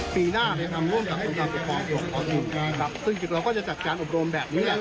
ปีหน้าได้ทำร่วมกับสมศัพท์ประกอบศูนย์ครับซึ่งเราก็จะจัดการอบรมแบบนี้แหละ